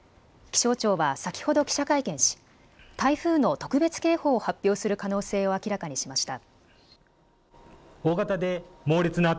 気象庁は先ほど記者会見し台風の特別警報を発表する可能性を明らかにしました。